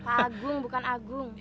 pak agung bukan agung